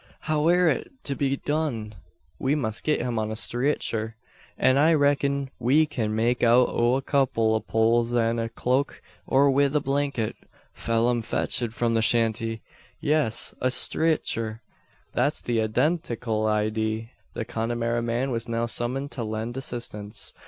How air it to be done? We must git him on a streetcher. That I reck'n we kin make out o' a kupple o' poles an the cloak; or wi' the blanket Pheelum fetch'd from the shanty. Ye es! a streetcher. That's the eydentikul eyedee." The Connemara man was now summoned to lend assistance.